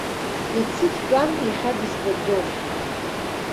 Иацы дтәан, иахьа дызбаӡом.